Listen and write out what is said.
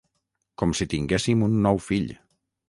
Com si tinguéssim un nou fill.